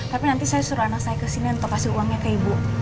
tapi nanti saya suruh anak saya ke sini untuk kasih uangnya ke ibu